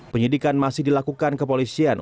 penyidikan masih dilakukan ke polisian